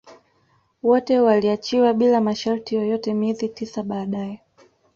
Wote waliachiwa bila masharti yoyote miezi tisa baadae